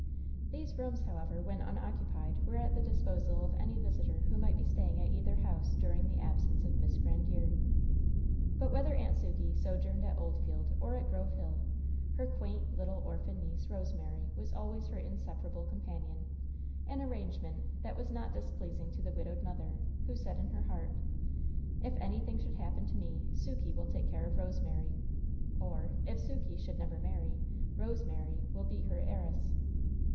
These rooms, however, when unoccupied, were at the disposal of any visitor who might be staying at either house during the absence of Miss Grandiere. But whether Aunt Sukey sojourned at Oldfield or at Grove Hill, her quaint, little orphan niece, Rosemary, was always her inseparable companion an arrangement that was not displeasing to the widowed mother, who said in her heart: "If anything should happen to me, Sukey will take care of Rosemary." Or, "If Sukey should never marry, Rosemary will be her heiress."